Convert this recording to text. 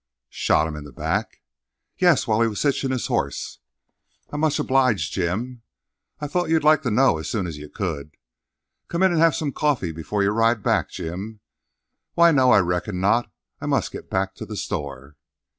"Shot him in the back?" "Yes, while he was hitchin' his hoss." "I'm much obliged, Jim." "I kind of thought you'd like to know as soon as you could." "Come in and have some coffee before you ride back, Jim?" "Why, no, I reckon not; I must get back to the store."